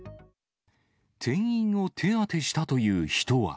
店員を手当てしたという人は。